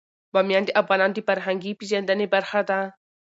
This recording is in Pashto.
بامیان د افغانانو د فرهنګي پیژندنې برخه ده.